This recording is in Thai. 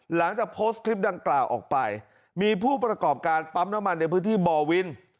หลังจากโพสต์คลิปดังกล่าวออกไปมีผู้ประกอบการปั๊มน้ำมันในพื้นที่บ่อวิน